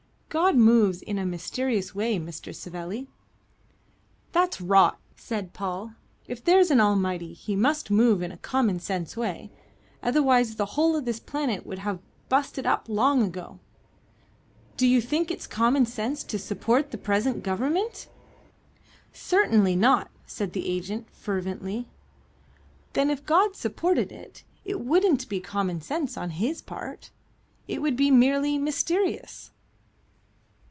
"God moves in a mysterious way, Mr. Savelli." "That's rot," said Paul. "If there's an Almighty, He must move in a common sense way; otherwise the whole of this planet would have busted up long ago. Do you think it's common sense to support the present Government?" "Certainly not," said the agent, fervently. "Then if God supported it, it wouldn't be common sense on His part. It would be merely mysterious?"